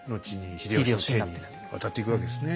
秀吉の手に渡っていくわけですね。